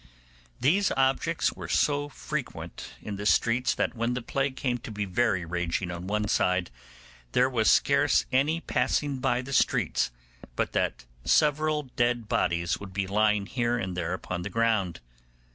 These objects were so frequent in the streets that when the plague came to be very raging on one side, there was scarce any passing by the streets but that several dead bodies would be lying here and there upon the ground.